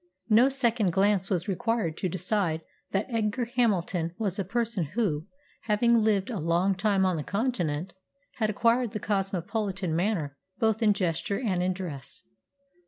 No second glance was required to decide that Edgar Hamilton was a person who, having lived a long time on the Continent, had acquired the cosmopolitan manner both in gesture and in dress.